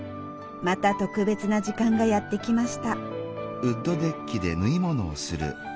また特別な時間がやって来ました。